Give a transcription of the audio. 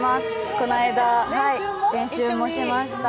この間、練習もしました。